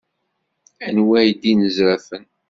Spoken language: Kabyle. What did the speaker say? Anwi ay d inezrafen?